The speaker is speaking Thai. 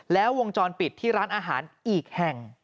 แล้ววงจรปิดที่ร้านอาหารอีกแห่ง